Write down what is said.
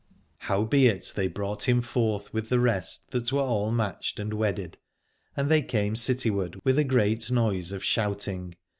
Howbeit they brought him forth with the rest that were all matched and wedded, and they came cityward with a great noise of shouting.